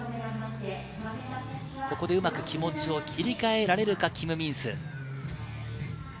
ここでうまく気持ちを切り替えられるか、キム・ミンス。